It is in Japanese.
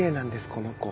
この子。